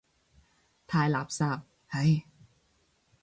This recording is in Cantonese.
太垃圾，唉。